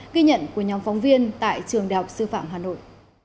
ghi nhận của nhóm phóng viên tại trường đại học sư phạm hà nội